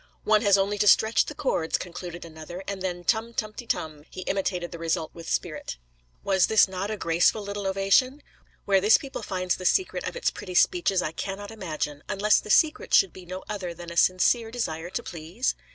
'One has only to stretch the cords,' concluded another, 'and then tum tumty tum'—he imitated the result with spirit. Was not this a graceful little ovation? Where this people finds the secret of its pretty speeches, I cannot imagine; unless the secret should be no other than a sincere desire to please?